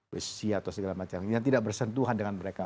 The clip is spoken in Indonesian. besi atau segala macam yang tidak bersentuhan dengan mereka